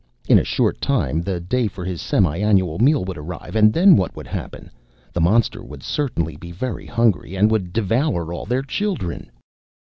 In a short time, the day for his semi annual meal would arrive, and then what would happen? The monster would certainly be very hungry, and would devour all their children.